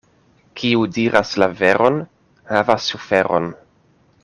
Kiu diras la veron, havas suferon.